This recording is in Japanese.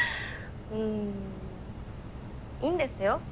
うんいいんですよ